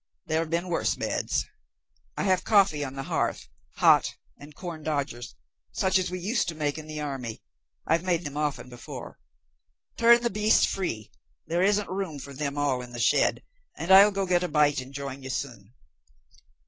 There have been worse beds." "I have coffee on the hearth, hot, and corn dodgers such as we used to make in the army. I've made them often before." "Turn the beasts free; there isn't room for them all in the shed, and I'll go get a bite and join you soon."